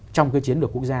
trong cái chiến lược quốc gia